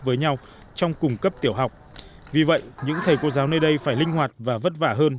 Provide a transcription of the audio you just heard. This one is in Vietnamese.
với nhau trong cùng cấp tiểu học vì vậy những thầy cô giáo nơi đây phải linh hoạt và vất vả hơn